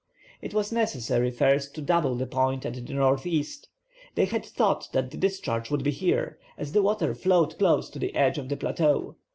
It was necessary first to double the point at the northeast. They had thought that the discharge would be here, as the water flowed close to the edge of the plateau.